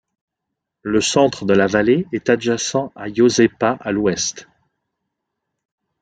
Le centre de la vallée est adjacent à Iosepa à l'ouest.